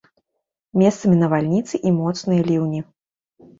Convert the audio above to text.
Месцамі навальніцы і моцныя ліўні.